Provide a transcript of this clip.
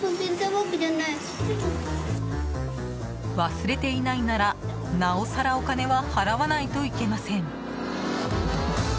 忘れていないなら、なおさらお金は払わないといけません。